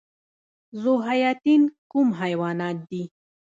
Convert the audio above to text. ذوحیاتین کوم حیوانات دي؟